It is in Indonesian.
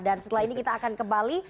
dan setelah ini kita akan kembali